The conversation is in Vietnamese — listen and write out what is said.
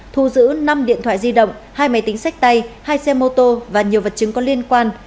thu giữ năm điện thoại di động hai máy tính sách tay hai xe mô tô và nhiều vật chứng có liên quan